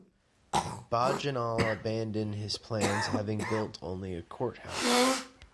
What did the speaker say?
Bagenal abandoned his plans, having built only a courthouse.